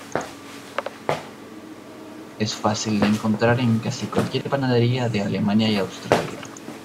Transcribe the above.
Es fácil de encontrar en casi cualquier panadería de Alemania y de Austria.